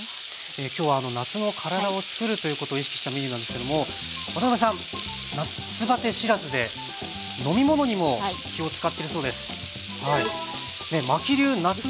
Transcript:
今日は夏の体をつくるということを意識したメニューなんですけどもワタナベさん夏バテ知らずで飲み物にも気を遣ってるそうです。